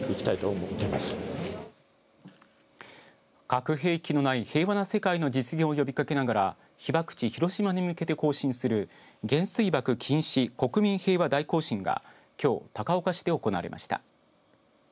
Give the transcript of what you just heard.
核兵器のない平和な世界の実現を呼びかけながら被爆地、広島に向けて行進する原水爆禁止国民平和大行進がきょう高岡市で行われました。